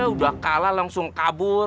udah kalah langsung kabur